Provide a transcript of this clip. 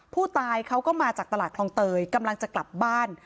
ผู้ตายเขาก็มาจากตลาดคลองเตยกำลังจะกลับบ้าน